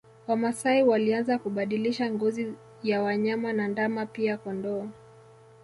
Wamasai walianza kubadilisha ngozi ya wanyama na ndama pia kondoo